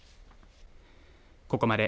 ここまで